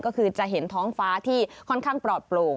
ก็คือจะเห็นท้องฟ้าที่ค่อนข้างปลอดโปร่ง